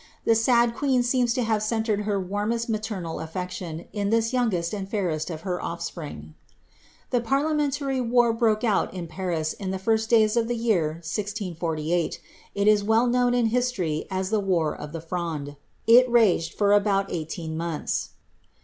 The sad queen seems to have cen tred her warmest maternal affection in this youngest and fairest of her of&pring.' A parliamentary war broke out in Paris in the first dayv of the year 1648. It is well known in history as the war of the Fronde. It laged for about eighteen months.